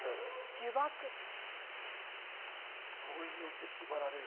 呪いによって縛られる。